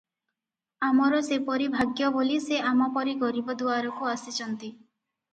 ଆମର ସେପରି ଭାଗ୍ୟବୋଲି ସେ ଆମପରି ଗରିବ ଦୁଆରକୁ ଆସିଚନ୍ତି ।